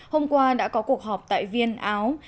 hôm qua đã có cuộc họp tại viên áo